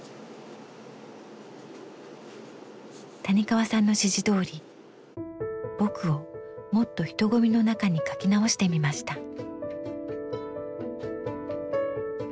谷川さんの指示どおり「ぼく」をもっと人混みの中に描き直してみました。